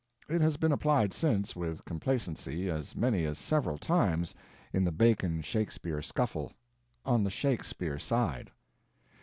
It has been applied since, with complacency, as many as several times, in the Bacon Shakespeare scuffle. On the Shakespeare side.